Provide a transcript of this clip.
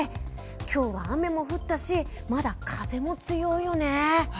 今日は雨も降ったしまだ風も強いよね。